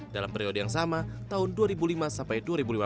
dalam periode yang sama tahun dua ribu lima sampai dua ribu lima belas